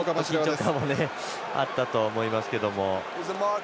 緊張もあったと思いますけども。